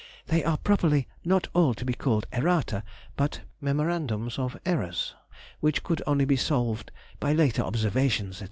They are properly not all to be called errata, but mem. of errors, which could only be solved by later observations, &c.